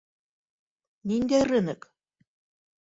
Ниндәй рынок?